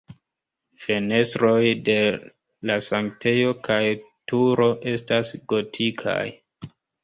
Fenestroj de la sanktejo kaj turo estas gotikaj.